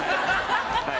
はい。